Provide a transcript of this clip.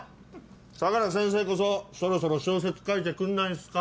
相良先生こそそろそろ小説書いてくんないんすか？